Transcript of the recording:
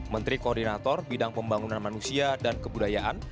menteri koordinator bidang pembangunan manusia dan kebudayaan